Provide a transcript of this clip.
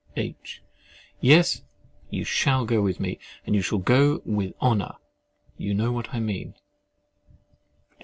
H. Yes, you shall go with me, and you shall go WITH HONOUR—you know what I mean.